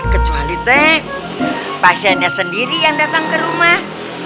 kecuali tek pasiennya sendiri yang datang ke rumah